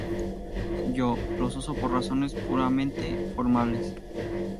Yo, los uso por razones puramente formales".